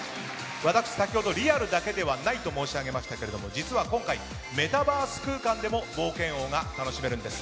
私、先ほどリアルだけではないと申し上げましたが実は今回、メタバース空間でも冒険王が楽しめるんです。